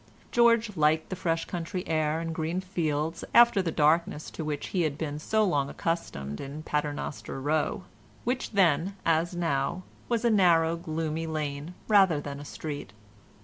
George liked the fresh country air and green fields after the darkness to which he had been so long accustomed in Paternoster Row, which then, as now, was a narrow gloomy lane rather than a street.